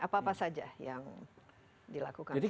apa apa saja yang dilakukan selama ini